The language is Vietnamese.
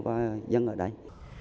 và dân ở đây